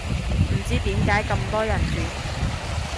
唔知點解咁多人轉